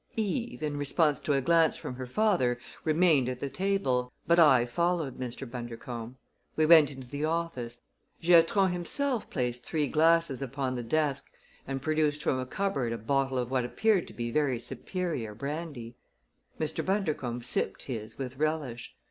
Eve, in response to a glance from her father, remained at the table; but I followed Mr. Bundercombe. We went into the office; Giatron himself placed three glasses upon the desk and produced from a cupboard a bottle of what appeared to be very superior brandy. Mr. Bundercombe sipped his with relish.